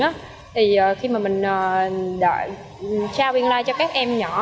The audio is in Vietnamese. mà đợi trao biên lai cho các em nhỏ